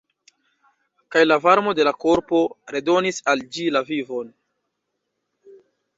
Kaj la varmo de la korpo redonis al ĝi la vivon.